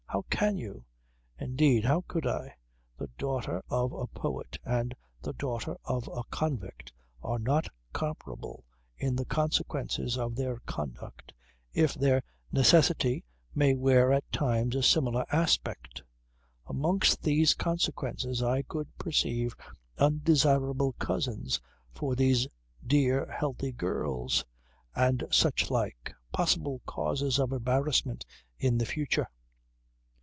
How can you!" Indeed how could I! The daughter of a poet and the daughter of a convict are not comparable in the consequences of their conduct if their necessity may wear at times a similar aspect. Amongst these consequences I could perceive undesirable cousins for these dear healthy girls, and such like, possible causes of embarrassment in the future.